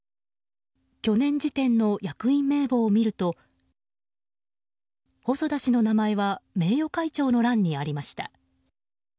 去年時点の役員名簿を見ると細田氏の名前は名誉会長の欄にありました。